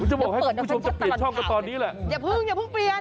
จะบอกให้คุณผู้ชมจะเปลี่ยนช่องกันตอนนี้แหละอย่าเพิ่งอย่าเพิ่งเปลี่ยน